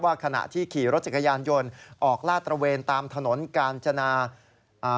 ขณะที่ขี่รถจักรยานยนต์ออกลาดตระเวนตามถนนกาญจนาอ่า